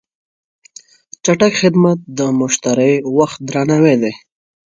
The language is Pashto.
چټک خدمت د مشتری وخت درناوی دی.